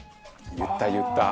言った言った。